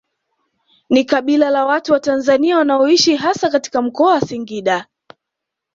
Ni kabila la watu wa Tanzania wanaoishi hasa katika Mkoa wa Singida